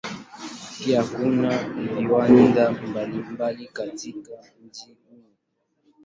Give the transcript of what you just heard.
Pia kuna viwanda mbalimbali katika mji huo.